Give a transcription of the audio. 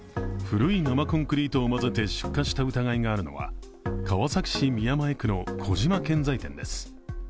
古い生コンクリートを混ぜて出荷した疑いがあるのは、川崎市宮前区の小島建材店です。